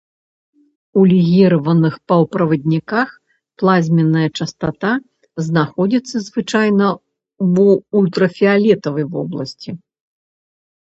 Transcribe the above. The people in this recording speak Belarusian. У легіраваных паўправадніках плазменная частата знаходзіцца звычайна ў ультрафіялетавай вобласці.